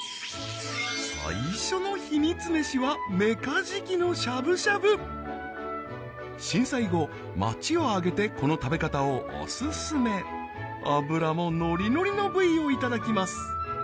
最初のヒミツメシは震災後町を挙げてこの食べ方をオススメ脂ものりのりの部位をいただきます